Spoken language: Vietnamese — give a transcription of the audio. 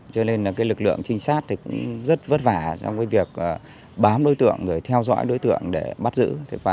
cho nên lực lượng trinh sát rất vất vả trong việc bám đối tượng theo dõi đối tượng để bắt giữ